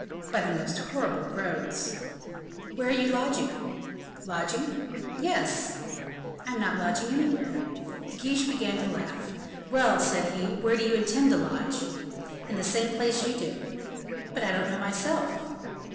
"By the most horrible roads." "Where are you lodging?" "Lodging?" "Yes!" "I am not lodging anywhere." De Guiche began to laugh. "Well," said he, "where do you intend to lodge?" "In the same place you do." "But I don't know, myself."